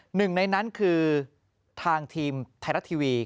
หนึ่งในนั้นคือทางทีมไทยรัฐทีวี